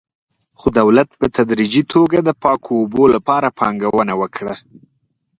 خو دولت په تدریجي توګه د پاکو اوبو لپاره پانګونه وکړه.